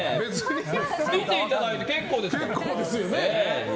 見ていただいて結構ですから。